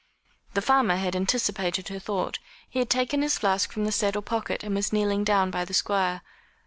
The farmer had anticipated her thought. He had taken his flask from the saddle pocket, and was kneeling down by the Squire.